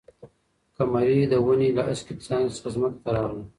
قمري د ونې له هسکې څانګې څخه ځمکې ته راغله.